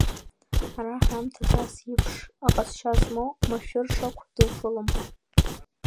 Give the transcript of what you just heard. Ҳара ҳаамҭазы ас еиԥш аҟазшьа змоу машәыршақә дуԥылом.